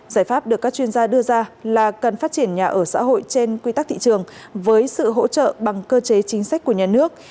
giải pháp được các chuyên gia đưa ra là cần phát triển nhà ở xã hội trên quy tắc thị trường với sự hỗ trợ bằng cơ chế chính sách của nhà nước